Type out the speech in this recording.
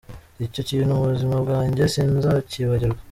Icyo kintu mu buzima bwanjye sinzakibagirwa.